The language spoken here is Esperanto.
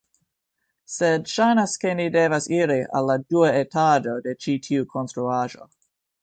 Sed ŝajnas ke ni devas iri al la dua etaĝo de ĉi tiu konstruaĵo